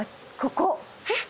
えっ？